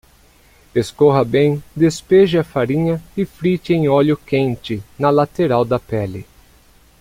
Escorra bem, despeje a farinha e frite em óleo quente, na lateral da pele.